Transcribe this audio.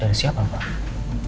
dari siapa pak